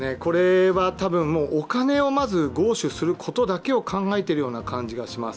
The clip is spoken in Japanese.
多分お金をまず強取することだけを考えているような気がします。